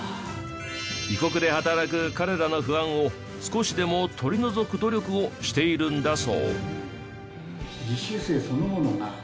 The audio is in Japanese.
異国で働く彼らの不安を少しでも取り除く努力をしているんだそう。